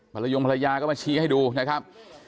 ภรรยายงภรรยาก็มาชี้ให้ดูนะครับ